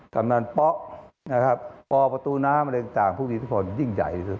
คำนวณปปปปนพทพทยิ่งใหญ่